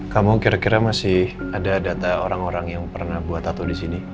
kamu kira kira masih ada data orang orang yang pernah buat atau di sini